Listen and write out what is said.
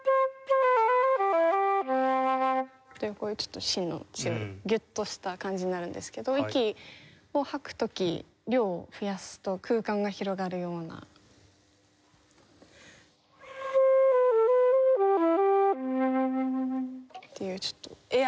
というこういう芯の強いギュッとした感じになるんですけど息を吐く時量を増やすと空間が広がるような。っていうちょっとエアリーな響きに。